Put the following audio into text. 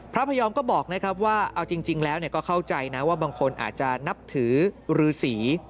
พระพยอมก็บอกนะครับว่าเอาจริงแล้วก็เข้าใจนะว่าบางคนอาจจะนับถือรือสี